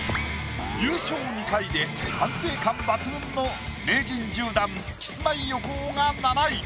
優勝２回で安定感抜群の名人１０段キスマイ・横尾が７位。